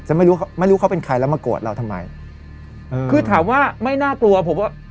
ไม่รู้ไม่รู้เขาเป็นใครแล้วมาโกรธเราทำไมเออคือถามว่าไม่น่ากลัวผมว่า